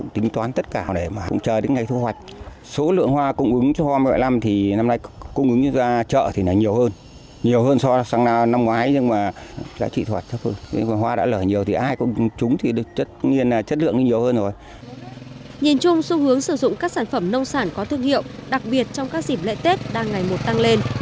nhìn chung xu hướng sử dụng các sản phẩm nông sản có thương hiệu đặc biệt trong các dịp lễ tết đang ngày một tăng lên